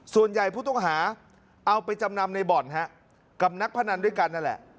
ส่วนใหญ่ผู้ต้องหาเอาไปจำนำในบ่อนฮะกับนักพนันด้วยกันนั่นแหละ